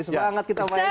sip semangat kita main ya